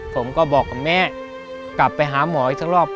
ผมก็บอกกับแม่กลับไปหาหมออีกสักรอบ